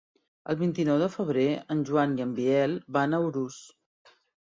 El vint-i-nou de febrer en Joan i en Biel van a Urús.